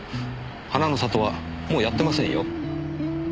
花の里はもうやってませんよ。